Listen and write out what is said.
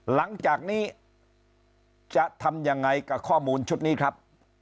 หลังจากนี้จะทำยังไงกับข้อมูลชุดนี้ครับ